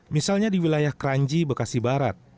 misalnya di wilayah kranji bekasi barat